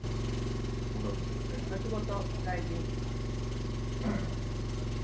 松本大臣。